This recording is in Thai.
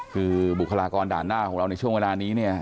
คือบุคลากรด่านหน้าของเราในช่วงเวลานี้เนี่ย